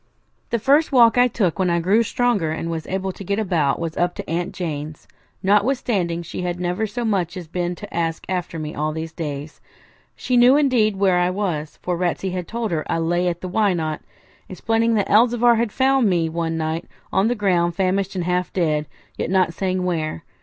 The first walk I took when I grew stronger and was able to get about was up to Aunt Jane's, notwithstanding she had never so much as been to ask after me all these days. She knew, indeed, where I was, for Ratsey had told her I lay at the Why Not?, explaining that Elzevir had found me one night on the ground famished and half dead, yet not saying where.